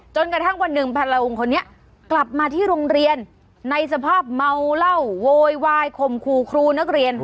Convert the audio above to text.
จนกระทั่งวันหนึ่งพันละวงคนนี้กลับมาที่โรงเรียนในสภาพเมาเหล้าโวยวายคมครูครูนักเรียน